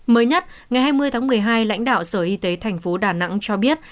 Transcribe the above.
mới nhất ngày hai mươi tháng một mươi hai lãnh đạo sở y tế thành phố đà nẵng cho biết